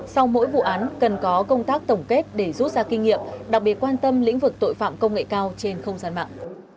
sau mỗi vụ án cần có công tác tổng kết để rút ra kinh nghiệm đặc biệt quan tâm lĩnh vực tội phạm công nghệ cao trên không gian mạng